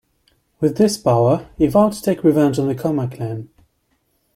With this power, he vowed to take revenge on the Koma clan.